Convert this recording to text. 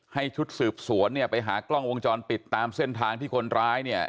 ให้ชุดสืบสวนไปหากล้องวงจรปิดตามเส้นทางที่คนร้าย